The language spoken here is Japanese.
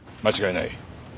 間違いない。